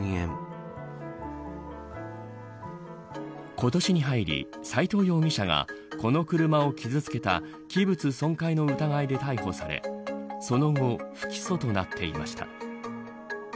今年に入り斎藤容疑者がこの車を傷つけた器物損壊の疑いで逮捕されその後不起訴となっていました。